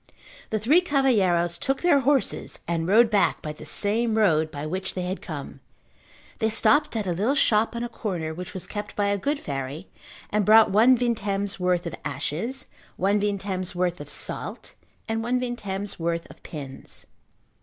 The three cavalheiros took their horses and rode back by the same road by which they had come. They stopped at a little shop on a corner which was kept by a good fairy and bought one vintem's worth of ashes, one vintem's worth of salt and one vintem's worth of pins.